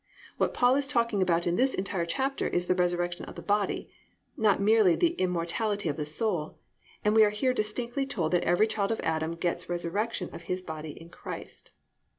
"+ What Paul is talking about in this entire chapter is the resurrection of the body, not merely the immortality of the soul, and we are here distinctly told that every child of Adam gets resurrection of his body in Christ.